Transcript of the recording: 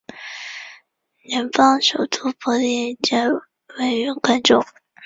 联邦首都帕利基尔位于该州。